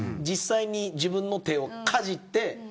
実際に自分の手をかじって。